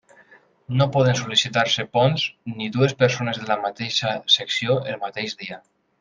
No poden sol·licitar-se ponts, ni dues persones de la mateixa secció el mateix dia.